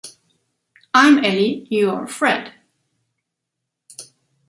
I’m Ellie; you’re Fred.